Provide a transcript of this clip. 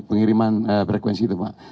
pengiriman frekuensi itu pak